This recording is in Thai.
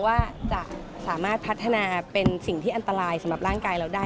ว่าจะสามารถพัฒนาเป็นสิ่งที่อันตรายสำหรับร่างกายเราได้